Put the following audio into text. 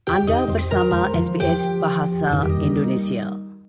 anda bersama sbs bahasa indonesia